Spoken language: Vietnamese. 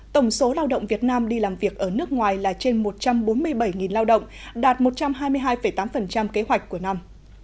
tổng số lao động việt nam đi làm việc ở nước ngoài là trên một trăm bốn mươi bảy lao động đạt một trăm hai mươi hai tám kế hoạch của năm